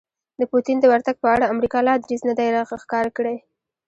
د پوتین د ورتګ په اړه امریکا لا دریځ نه دی ښکاره کړی